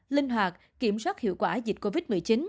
linh hoạt kiểm soát hiệu quả dịch covid một mươi chín